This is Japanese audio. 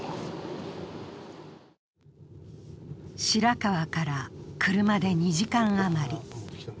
白河から車で２時間余り。